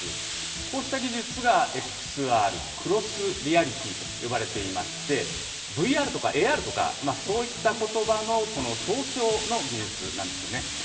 こうした技術がＸＲ・クロスリアリティと呼ばれていまして、ＶＲとかＡＲとか、そういったことばも総称の技術なんですよね。